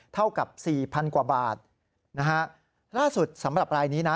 เท่ากับสี่พันกว่าบาทนะฮะล่าสุดสำหรับรายนี้นะ